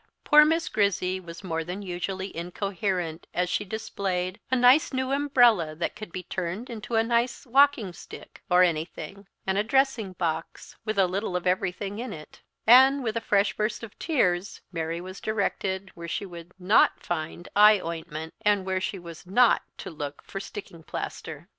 Poor Miss Grizzy was more than usually incoherent as she displayed "a nice new umbrella that could be turned into a nice walking stick, or anything;" and a dressing box, with a little of everything in it; and, with a fresh burst of tears, Mary was directed where she would not find eye ointment, and where she was not to look for sticking plaister.